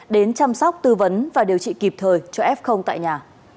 đến chăm sóc tư vấn và điều trị kịp thời cho f tại nhà